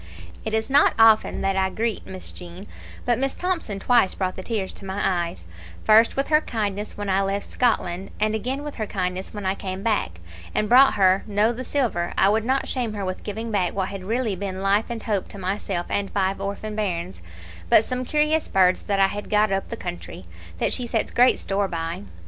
"It is not often that I greet, Miss Jean, but Miss Thomson twice brought the tears to my eyes, first with her kindness when I left Scotland, and again with her kindness when I came back, and brought her, no the silver I would not shame her with giving back what had really been life and hope to myself and five orphan bairns but some curious birds that I had got up the country, that she sets great store by.